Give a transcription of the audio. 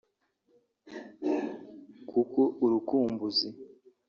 kuko urukumbuzi